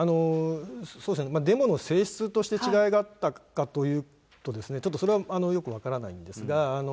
デモの性質として違いがあったかというと、ちょっとそれはよく分からないんですが。